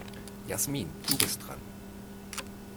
Jasmin, du bist dran.